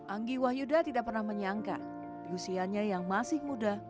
anggi wahyuda tidak pernah menyangka di usianya yang masih muda